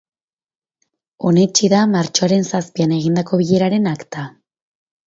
Onetsi da martxoaren zazpian egindako bileraren akta.